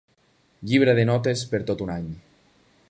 Llibre de notes per a tot un any.